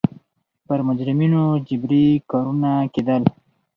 پر مجرمینو جبري کارونه کېدل.